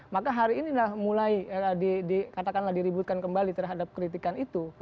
maka hari inilah mulai dikatakanlah diributkan kembali terhadap kritikan itu